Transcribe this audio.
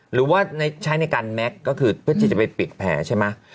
หรือว่าใช้ในการแก๊กก็คือเพื่อที่จะไปปิดแผลใช่ไหม